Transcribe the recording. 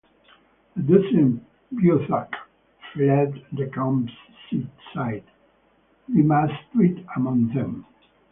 A dozen Beothuk fled the campsite, Demasduit among them.